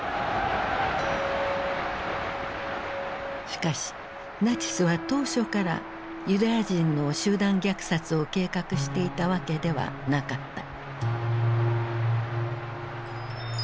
しかしナチスは当初からユダヤ人の集団虐殺を計画していたわけではなかった。